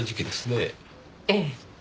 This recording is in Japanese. ええ。